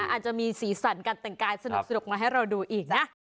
อาจจะมีสีสันการแต่งกายสนุกมาให้เราดูอีกนะ